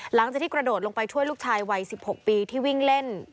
หลังจากที่กระโดดลงไปช่วยลูกชายวัย๑๖ปีที่วิ่งเล่น